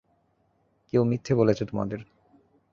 কেউ মিথ্যে বলেছে তোমাদের।